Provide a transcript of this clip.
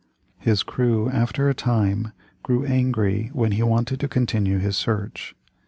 His crew after a time grew angry when he wanted to continue his search.